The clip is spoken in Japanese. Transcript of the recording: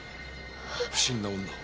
不審な女を。